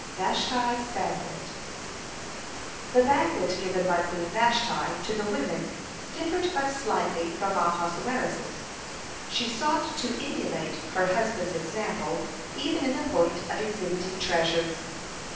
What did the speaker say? (27) VASTHI'S BANQUET The banquet given by Queen Vashti to the women differed but slightly from Ahasuerus's. She sought to emulate her husband's example even in the point of exhibiting treasures.